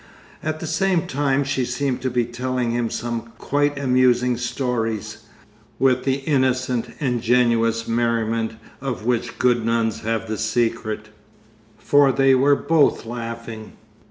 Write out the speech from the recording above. At the same time she seemed to be telling him some quite amusing stories with the innocent, ingenuous merriment of which good nuns have the secret for they were both laughing.